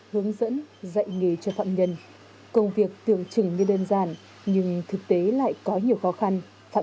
hướng dẫn dạy nghề cho phạm nhân công việc tưởng chừng như đơn giản nhưng thực tế lại có nhiều khó khăn